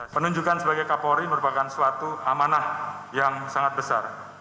penunjukan sebagai kapolri merupakan suatu amanah yang sangat besar